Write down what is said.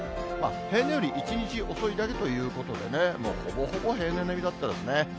平年より１日遅いだけということでね、ほぼほぼ平年並みだったですね。